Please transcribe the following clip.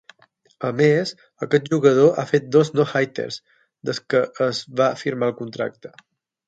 A més, aquest jugador a fet dos "no-hitters" des que es va firmar el contracte.